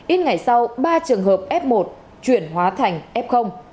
ít ngày sau ba trường hợp f một chuyển hóa thành f